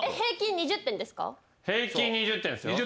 平均２０点ですよ。